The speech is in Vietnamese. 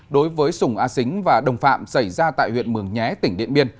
đối với sùng a xính và đồng phạm xảy ra tại huyện mường nhé tỉnh điện biên